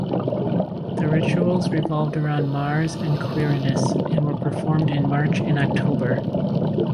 The rituals revolved around Mars and Quirinus, and were performed in March and October.